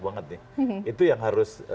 banget nih itu yang harus